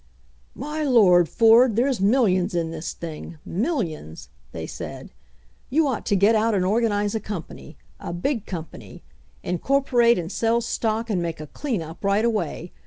"My Lord, Ford, there's millions in this thing. Millions !" they said. "You ought to get out and organize a company — a big company. Incor porate and sell stock and make a clean up right away.